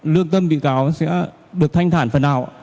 lương tâm bị cáo sẽ được thanh thản phần nào